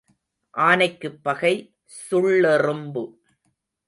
ஆனைக்குப் பகை சுள்ளெறும்பு.